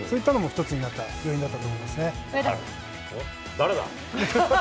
誰だ？